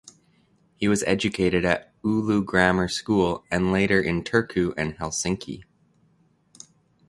He was educated at Oulu Grammar School and later in Turku and Helsinki.